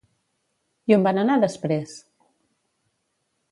I on van anar després?